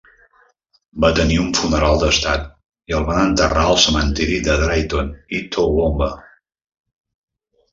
Va tenir un funeral d'estat i el van enterrar al cementiri de Drayton i Toowoomba.